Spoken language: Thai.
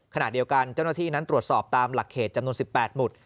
ขณะเดียวกันเจ้าหน้าที่นั้นตรวจสอบตามหลักเขตจำนวน๑๘หมุด